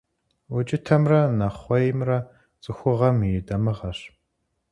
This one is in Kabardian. УкIытэмрэ нэхъуеймрэ цIыхугъэм и дамыгъэщ.